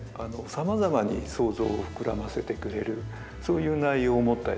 さまざまに想像を膨らませてくれるそういう内容を持った絵だと思います。